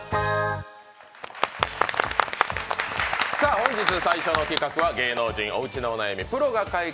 本日最初の企画は「芸能人おウチの悩みをプロが解決！